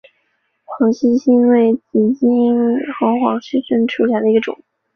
黄细心为紫茉莉科黄细心属下的一个种。